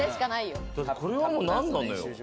これはもうなんなのよ。